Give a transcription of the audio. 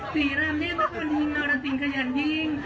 สีร่ำเนี่ยมักพอดิงน่ารักสิ่งขยันยิ่ง